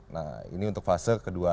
nah ini untuk fase kedua